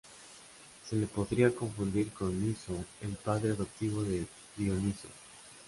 Se le podría confundir con Niso, el padre adoptivo de Dioniso.